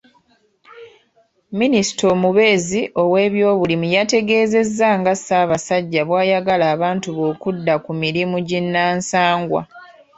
Minisita omubeezi ow’ebyobulimi yategeezezza nga Ssaabasajja bw'ayagala abantu be okudda ku mirimu ginnansangwa.